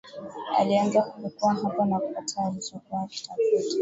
Alianza kupekua hapo na kupata alichokua akitafuta